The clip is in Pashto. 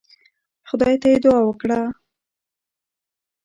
خدای ته يې دعا وکړه.